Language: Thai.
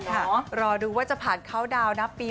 ล่ะเขาดูทุ่มกุนอะไรแบบนี้